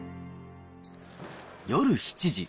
夜７時。